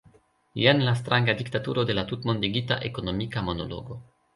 Jen la stranga diktaturo de la tutmondigita ekonomika monologo.